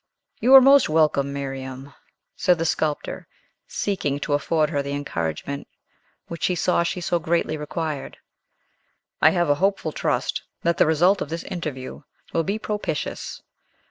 "You are most welcome, Miriam!" said the sculptor, seeking to afford her the encouragement which he saw she so greatly required. "I have a hopeful trust that the result of this interview will be propitious.